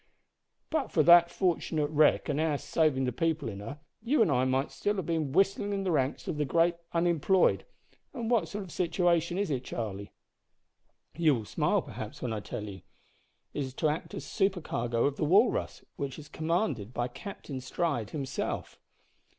"But for that fortunate wreck and our saving the people in her, you and I might still have been whistling in the ranks of the Great Unemployed And what sort of a situation is it, Charlie?" "You will smile, perhaps, when I tell you. It is to act as supercargo of the Walrus, which is commanded by Captain Stride himself."